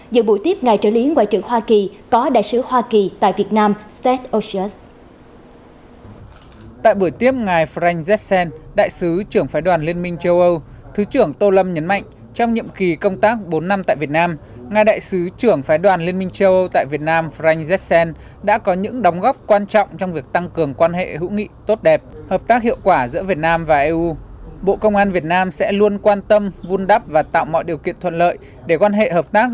giữa buổi tiếp ngài trợ lý ngoại trưởng hoa kỳ có đại sứ hoa kỳ tại việt nam seth oshers